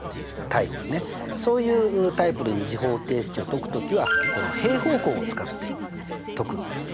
そういうタイプの２次方程式を解く時はこの平方根を使って解くんです。